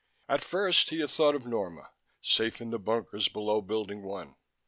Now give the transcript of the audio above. At first he had thought of Norma, safe in the bunkers below Building One.